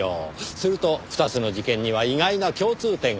すると２つの事件には意外な共通点がありました。